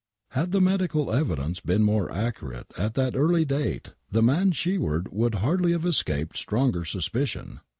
Had the medical evidence been more accurate at that early date the man Sheward would hardly have escaped stronger suspicion.